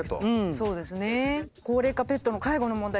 そうですね。